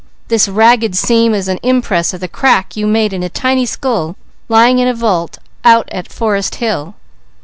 This ragged seam is an impress of the crack you made in a tiny skull lying in a vault out at Forest Hill."